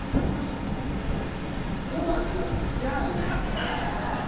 ほな、じゃなくて、じゃあねって言った。